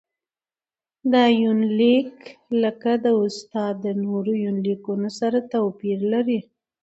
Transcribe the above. دا يونليک لکه د استاد د نورو يونليکونو سره تواپېر لري.